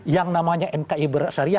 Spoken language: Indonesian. yang namanya nkri bersyariah